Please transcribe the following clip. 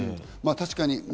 確かに。